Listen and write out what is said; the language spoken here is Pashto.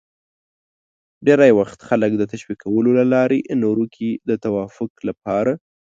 ډېری وخت خلک د تشویقولو له لارې نورو کې د توافق لپاره